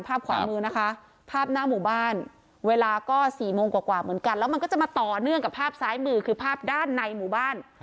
ขวามือนะคะภาพหน้าหมู่บ้านเวลาก็๔โมงกว่าเหมือนกันแล้วมันก็จะมาต่อเนื่องกับภาพซ้ายมือคือภาพด้านในหมู่บ้าน